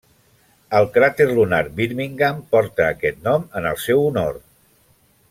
El cràter lunar Birmingham porta aquest nom en el seu honor.